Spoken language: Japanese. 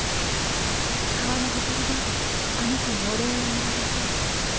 川のほとりであの子にお礼を言われて